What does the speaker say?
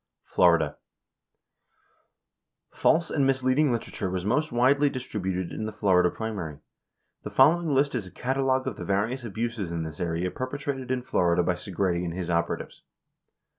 61 Florida: False and misleading literature was most widely dis tributed in the Florida primary. The following list is a catalog of the various abuses in this area perpetrated in Florida by Segretti and his operatives.